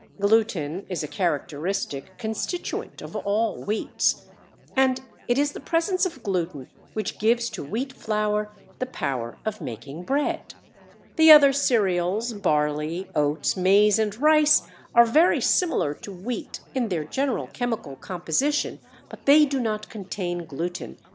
Gluten is a characteristic constituent of all wheats, and it is the presence of gluten which gives to wheat flour the power of making bread. The other cereals, barley, oats, maize and rice are very similar to wheat in their general chemical composition, but they do not contain gluten.